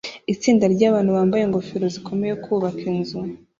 Itsinda ryabantu bambaye ingofero zikomeye bubaka inzu